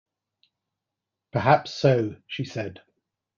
“Perhaps so,” she said.